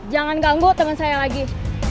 jangan ganggu teman saya lagi